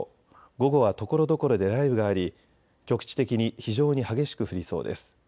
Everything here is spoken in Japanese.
午後はところどころで雷雨があり局地的に非常に激しく降りそうです。